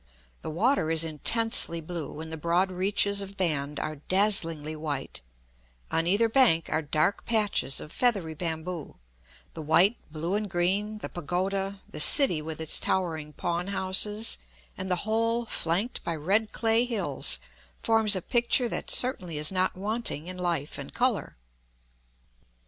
The water is intensely blue, and the broad reaches of Band are dazzlingly white; on either bank are dark patches of feathery bamboo; the white, blue and green, the pagoda, the city with its towering pawn houses, and the whole flanked by red clay hills, forms a picture that certainly is not wanting in life and color.